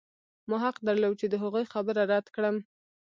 ما حق درلود چې د هغوی خبره رد کړم